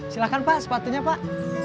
silakan pak sepatunya pak